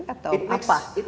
ya itu benar